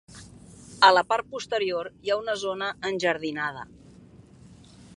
A la part posterior hi ha una zona enjardinada.